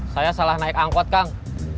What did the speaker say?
saya salah naik angkot kang